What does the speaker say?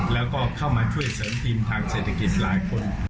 แล้วก็เข้ามาช่วยเสริมทีมทางเศรษฐกิจหลายคน